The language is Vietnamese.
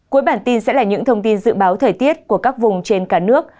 cuối bản tin sẽ là những thông tin dự báo thời tiết của các vùng trên cả nước